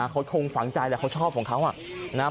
เขาคงฝังใจแหละเขาชอบของเขา